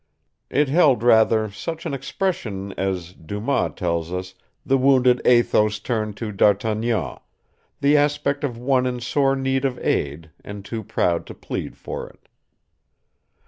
It held rather such an expression as, Dumas tells us, the wounded Athos turned to D'Artagnan the aspect of one in sore need of aid, and too proud to plead for it.